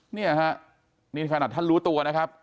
นี่ฮะนี่ฮะนี่คณะท่านลูกตัวนะครับ